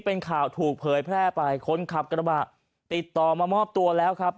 เป็นข่าวถูกเผยแพร่ไปคนขับกระบะติดต่อมามอบตัวแล้วครับ